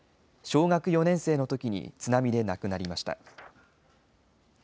小学４年生のときに津波で亡くなりました。